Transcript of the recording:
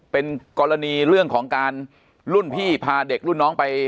เป็นกรณีเรื่องของการรุ่นพี่พาเด็กรุ่นน้องไป